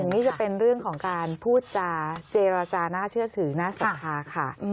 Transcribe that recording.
นี่จะเป็นเรื่องของการพูดจาเจรจาน่าเชื่อถือน่าศรัทธาค่ะ